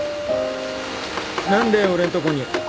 何で俺んとこに？